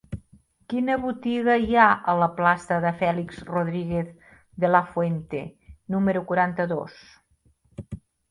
Quina botiga hi ha a la plaça de Félix Rodríguez de la Fuente número quaranta-dos?